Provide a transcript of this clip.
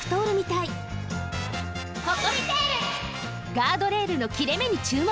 ガードレールのきれめに注目！